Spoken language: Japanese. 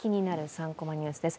３コマニュース」です。